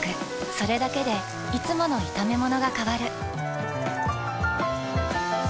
それだけでいつもの炒めものが変わる。